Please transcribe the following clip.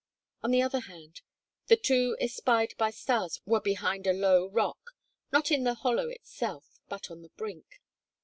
On the other hand, the two espied by Stas were behind a low rock, not in the hollow itself, but on the brink.